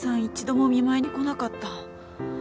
一度もお見舞いに来なかった。